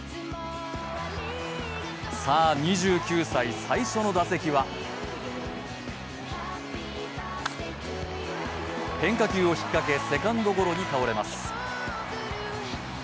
さあ、２９歳最初の打席は変化球を引っ掛け、セカンドゴロに倒れます。